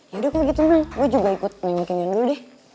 yaudah kalau gitu menang gue juga ikut main bikin ian dulu deh